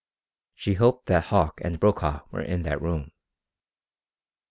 She hoped that Hauck and Brokaw were in that room!